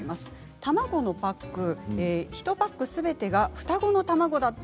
卵のパック１パックすべてが双子の卵だった。